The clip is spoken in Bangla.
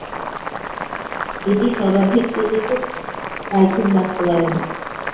এটা সর্বাধিক প্রচলিত পাইথন বাস্তবায়ন।